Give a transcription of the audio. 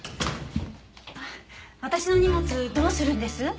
私の荷物どうするんです？